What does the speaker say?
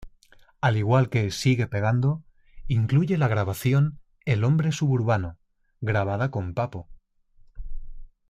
Al igual que "Sigue pegando", incluye la canción "El hombre suburbano", grabada con Pappo.